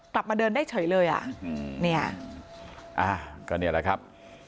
กลับมาเดินได้เฉยเลยอ่ะอืมเนี่ยอ่าก็เนี่ยแหละครับ